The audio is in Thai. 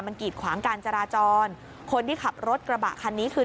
มันกีดขวางการจราจรคนที่ขับรถกระบะคันนี้คือ